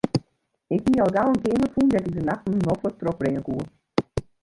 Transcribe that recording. Ik hie al gau in keamer fûn dêr't ik de nachten noflik trochbringe koe.